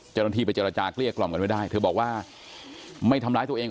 เจ้าหน้าที่ไปเจรจาเกลี้ยกล่อมกันไว้ได้เธอบอกว่าไม่ทำร้ายตัวเอง